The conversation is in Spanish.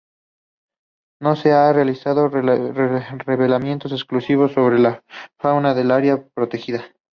No se han realizado relevamientos exhaustivos sobre la fauna del área protegida.